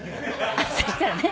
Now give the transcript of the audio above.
そしたらね